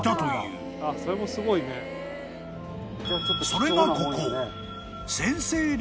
［それがここ］